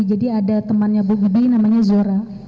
jadi ada temannya bu bibi namanya zora